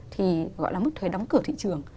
thì gọi là mức thuế đóng cửa thị trường